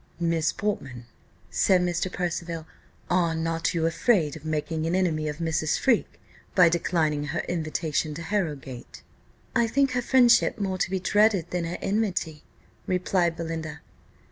"Miss Portman," said Mr. Percival, "are not you afraid of making an enemy of Mrs. Freke, by declining her invitation to Harrowgate?" "I think her friendship more to be dreaded than her enmity," replied Belinda.